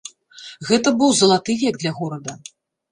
Гэта быў залаты век для горада.